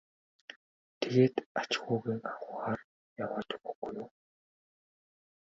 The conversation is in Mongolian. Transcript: тэгээд ач хүүгээ авахаар яваад өгөхгүй юу.